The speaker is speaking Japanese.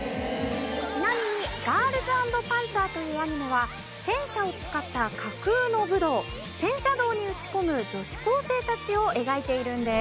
ちなみに『ガールズ＆パンツァー』というアニメは戦車を使った架空の武道「戦車道」に打ち込む女子高生たちを描いているんです。